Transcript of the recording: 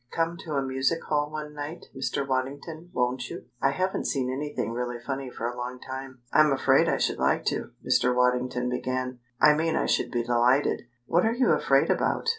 Come to a music hall one night, Mr. Waddington, won't you? I haven't seen anything really funny for a long time." "I'm afraid I should like to," Mr. Waddington began, "I mean I should be delighted." "What are you afraid about?"